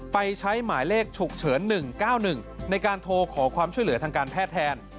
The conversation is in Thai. ไปใช้หมายเลขฉุกเฉิน๑๙๑ในการโทรขอความช่วยเหลือทางการแพทย์แทน